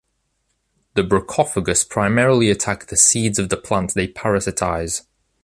The Bruchophagus primarily attack the seeds of the plants they parasitize.